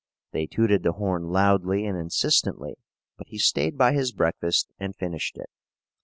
They tooted the horn loudly and insistently, but he stayed by his breakfast and finished it.